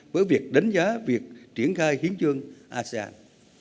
với việc đánh giá việc triển khai hiến trương asean